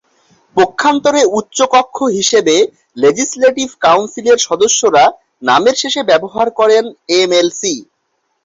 পক্ষান্তরে উচ্চ কক্ষ হিসেবে লেজিসলেটিভ কাউন্সিলের সদস্যরা নামের শেষে ব্যবহার করেন'এমএলসি'।